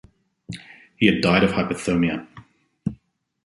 He had died of hypothermia.